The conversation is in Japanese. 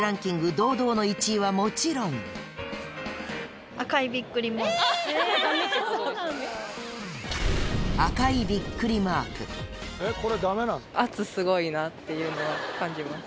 堂々の１位はもちろんっていうのは感じます。